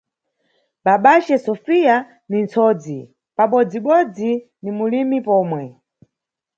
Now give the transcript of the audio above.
Babace Sofiya ni nʼsodzi pabodzibodzipo ni mulimi pomwe.